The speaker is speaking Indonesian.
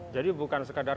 jadi bukan sekadar